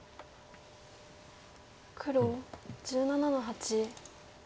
黒１７の八。